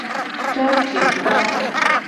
Cocikpa.